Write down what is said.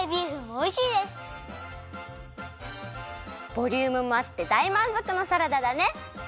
ボリュームもあってだいまんぞくのサラダだね！